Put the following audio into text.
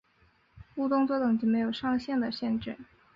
误动作等级没有上限的限制。